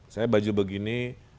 saya baju begini